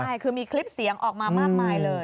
ใช่คือมีคลิปเสียงออกมามากมายเลย